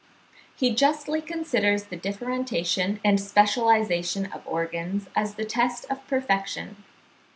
He justly considers the differentiation and specialisation of organs as the test of perfection.